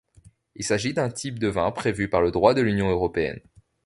Il s'agit d'un type de vin prévu par le droit de l'Union européenne.